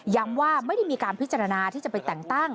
ว่าไม่ได้มีการพิจารณาที่จะไปแต่งตั้ง